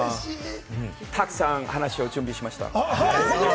たくさん話を準備しました。